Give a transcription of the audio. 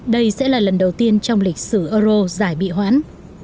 đây sẽ là lần đầu tiên trong lịch sử euro giải bị hoãn